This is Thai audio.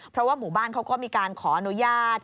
เพราะว่าหมู่บ้านเขาก็มีการขออนุญาต